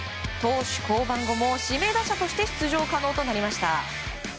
投手降板後も指名打者として出場可能になりました。